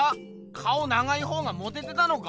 顔長いほうがモテてたのか？